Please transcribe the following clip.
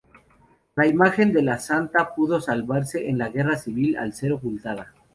La imagen de la Santa pudo salvarse en la guerra civil al ser ocultada.